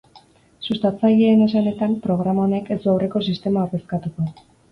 Sustatzaileen esanetan, programa honek ez du aurreko sistema ordezkatuko.